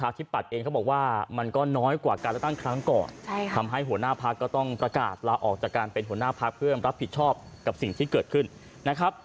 ไม่ได้รู้สึกว่าเราพ่ายแพ้เราจะเป็นอะไรนะครับ